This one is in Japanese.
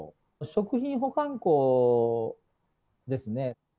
食品保管庫ですね。